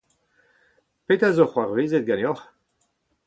Petra zo c’hoarvezet ganeoc’h ?